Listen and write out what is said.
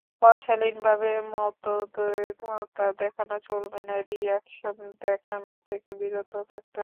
অশালীনভাবে মতদ্বৈধতা দেখানো চলবে না, রিঅ্যাকশন দেখানো থেকে বিরত থাকতে হবে।